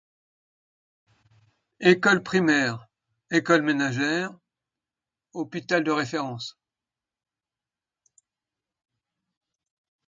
École primaire, école ménagère, hôpital de référence.